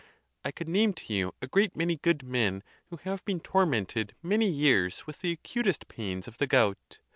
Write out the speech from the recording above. I could name to you a great many good men who have been tormented many years with the acutest 'pains of the gout.